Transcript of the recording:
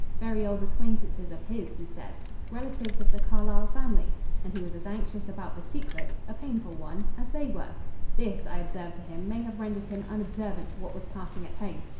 Very old acquaintances of his, he said, relatives of the Carlyle family; and he was as anxious about the secret a painful one as they were. This, I observed to him, may have rendered him unobservant to what was passing at home.